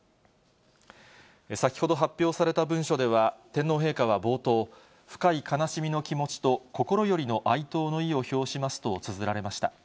先ほど発表された文書では、天皇陛下は冒頭、深い悲しみの気持ちと、心よりの哀悼の意を表しますとつづられました。